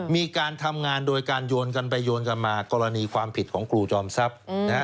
มีการทำงานโดยการโยนกันไปโยนกันมากรณีความผิดของครูจอมทรัพย์